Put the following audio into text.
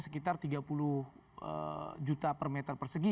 sekitar tiga puluh juta per meter persegi